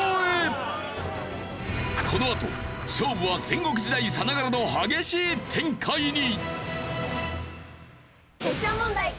このあと勝負は戦国時代さながらの激しい展開に。